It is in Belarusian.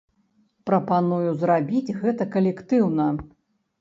Прапаную зрабіць гэта калектыўна.